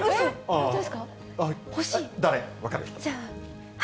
本当ですか？